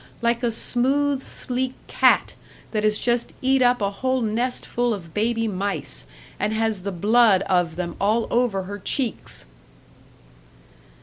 Like a smooth, sleek cat that has just eat up a whole nest full of baby mice, and has the blood of them all over her cheeks!"